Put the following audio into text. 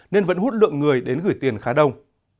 nên vẫn hút lượng người đến gửi tiền khá đông